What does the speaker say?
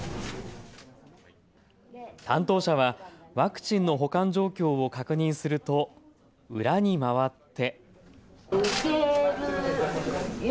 担当者はワクチンの保管状況を確認すると裏に回って。